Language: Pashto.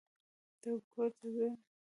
ته کورته ځې؟